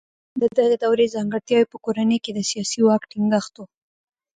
د دغې دورې ځانګړتیاوې په کورنۍ کې د سیاسي واک ټینګښت و.